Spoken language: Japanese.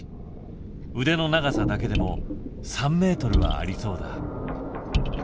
腕の長さだけでも３ｍはありそうだ。